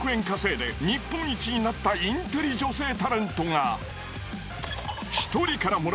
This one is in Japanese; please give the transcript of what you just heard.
稼いで日本一になったインテリ女性タレントが。